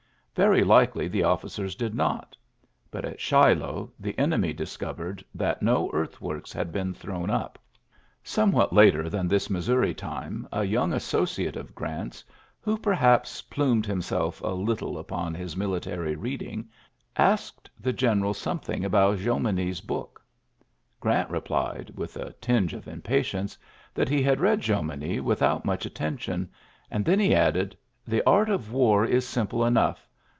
Very likely the officers did not ; but at Shiloh the enemy discovered that no earth works had been thrown up. Somewhat ULYSSES S. GEANT 41 later than this Missouri time a yonng associate of Oranf s, who perhaps plumed himself a little upon his military read ing^ asked the general something about Jomini's book. Grant replied, with a tinge of impatience, that he had read Jomini without much attention^ and then he added : "The art of war is simple enough.